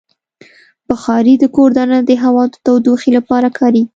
بخاري د کور دننه د هوا د تودوخې لپاره کارېږي.